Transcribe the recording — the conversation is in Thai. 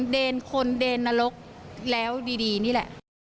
เดนคนเดนนรกแล้วดีนี่แหละ